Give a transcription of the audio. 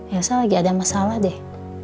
elsa lagi ada masalah deh